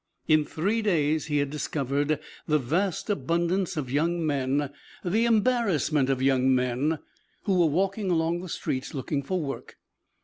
In three days he had discovered the vast abundance of young men, the embarrassment of young men, who were walking along the streets looking for work.